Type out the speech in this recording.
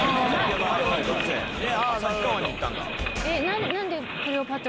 旭川に行ったんだ。